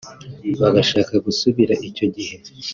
bagashaka gusubira icyo gihe